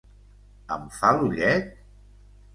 Em fa l'ullet?